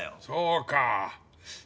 そうか。